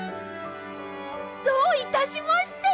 どういたしまして！